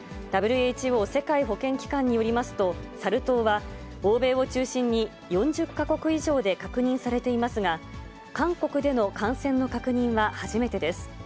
ＷＨＯ・世界保健機関によりますと、サル痘は欧米を中心に４０か国以上で確認されていますが、韓国での感染の確認は初めてです。